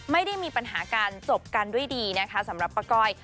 ไม่ได้มีปัญหาการจบกันด้วยดีนะคะสำหรับป้าก้อย